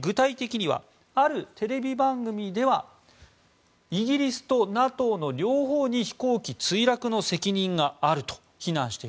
具体的にはあるテレビ番組ではイギリスとＮＡＴＯの両方に飛行機墜落の責任があると非難している。